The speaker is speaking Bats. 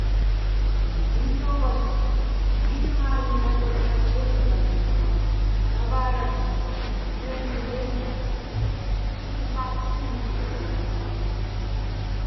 დიდო́ვას დი́ნ მა́რუჲჼ ნაკვეთ ჰ̦ალო̆ შე́გლბადჲნო́რ, დაბა́რადჲინო́რ, მელ'მი დენი ჩუ ხაჸწიჼ მუშებადვაჲლნო́რ.